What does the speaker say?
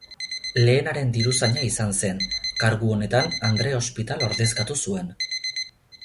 Lehenaren diruzaina izan zen; kargu honetan Andre Ospital ordezkatu zuen.